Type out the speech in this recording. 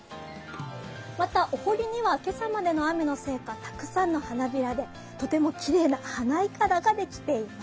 またお堀には今朝までの雨のせいかたくさんの花びらでとてもきれいな花いかだができています。